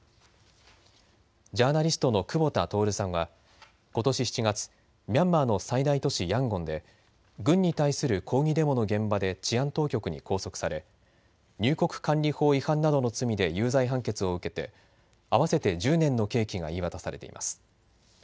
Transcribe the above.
ジャーナリストの久保田徹さんはことし７月、ミャンマーの最大都市ヤンゴンで軍に対する抗議デモの現場で治安当局に拘束され入国管理法違反などの罪で有罪判決を受けて合わせて１０年の刑期が言い渡されています。